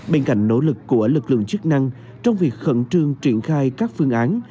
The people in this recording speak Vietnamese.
bên cạnh nỗ lực của lực lượng chức năng trong việc khẩn trương triển khai các phương án